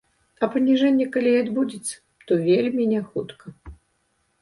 А паніжэнне калі і адбудзецца, дык вельмі няхутка.